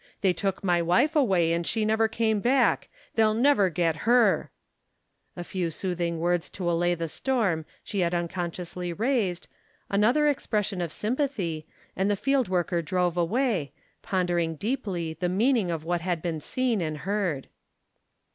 They took my wife away and she never came back they'll never get her !" A few soothing words to allay the storm she had uncon sciously raised, another expression of sympathy, and the field worker drove away, pondering deeply the meaning . of what had been seen and heard.